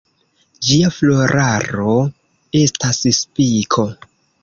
Ĝia floraro estas spiko.